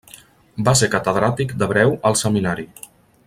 Va ser catedràtic d'hebreu al Seminari.